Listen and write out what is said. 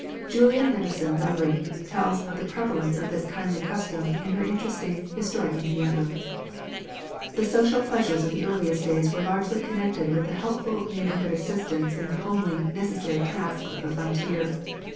Julia Henderson Levering tells of the prevalence of this kindly custom in her interesting "Historic Indiana": "The social pleasures of the earliest days were largely connected with the helpful neighbourhood assistance in the homely, necessary tasks of the frontier.